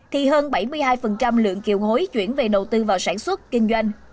thì hơn bảy mươi hai lượng kiều hối chuyển về đầu tư vào sản xuất kinh doanh